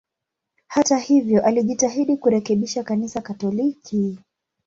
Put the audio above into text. Hata hivyo, alijitahidi kurekebisha Kanisa Katoliki.